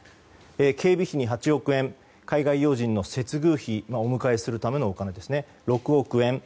警備費に８億円海外要人の接遇費お迎えするためのお金が６億円。